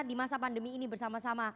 di masa pandemi ini bersama sama